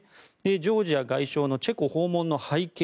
ジョージア外相のチェコ訪問の背景